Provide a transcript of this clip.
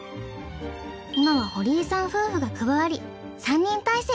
今は堀井さん夫婦が加わり３人体制。